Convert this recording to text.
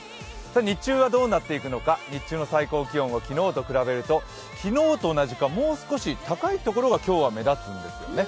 日中はどうなっていくのか、日中の最高気温を昨日と比べてみると昨日と同じかもう少し高いところが今日は目立っていますね。